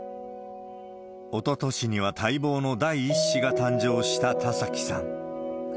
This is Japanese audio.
おととしには待望の第１子が誕生した田崎さん。